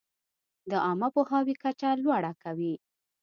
د عامه پوهاوي کچه لوړه کوي.